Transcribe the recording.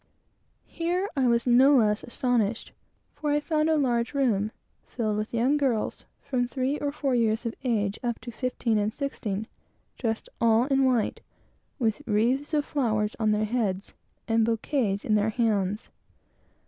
Here I was no less astonished; for I found a large room, filled with young girls, from three or four years of age up to fifteen and sixteen, dressed all in white, with wreaths of flowers on their heads, and bouquets in their hands.